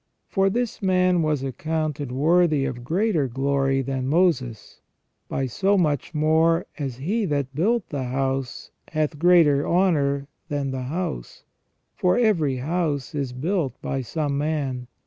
For this man was accounted worthy of greater glory than Moses, by so much more as He that built the house hath greater honour than the house, for every house is built by some man.